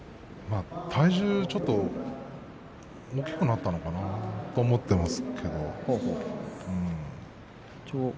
体重ちょっと大きくなったのかなと思っています。